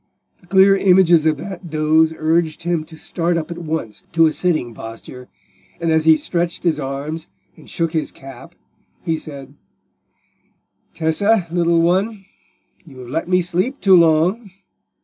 The clear images of that doze urged him to start up at once to a sitting posture, and as he stretched his arms and shook his cap, he said— "Tessa, little one, you have let me sleep too long.